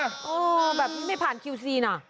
โหไม่ผ่านคิวซีซีนอ่ะ